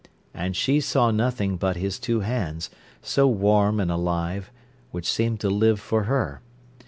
And she saw nothing but his two hands, so warm and alive, which seemed to live for her.